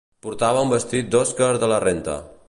Portava un vestit d'Oscar de la Renta.